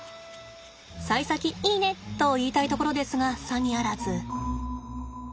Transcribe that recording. さい先いいね！と言いたいところですがさにあらず。